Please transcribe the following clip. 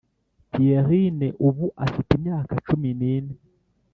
pierrine ubu afite imyaka cumi n’ine